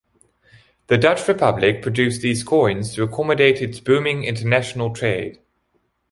The Dutch Republic produced these coins to accommodate its booming international trade.